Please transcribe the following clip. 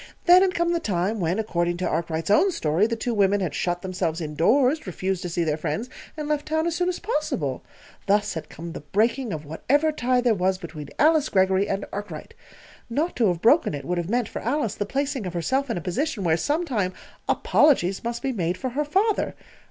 Then had come the time when, according to Arkwright's own story, the two women had shut themselves indoors, refused to see their friends, and left town as soon as possible. Thus had come the breaking of whatever tie there was between Alice Greggory and Arkwright. Not to have broken it would have meant, for Alice, the placing of herself in a position where, sometime, apologies must be made for her father.